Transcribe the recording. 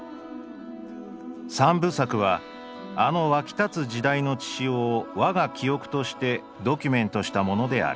「３部作はあの沸き立つ時代の血潮を我が記憶としてドキュメントしたものである。